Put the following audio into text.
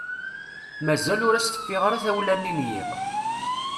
Mazal ur as-teffiɣ ara tawla-nni n yiḍ.